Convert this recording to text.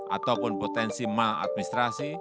ataupun potensi maladministrasi